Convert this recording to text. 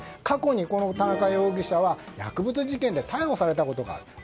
過去に田中容疑者は薬物事件で逮捕されたことがある。